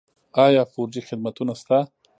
آیا فور جي خدمتونه شته؟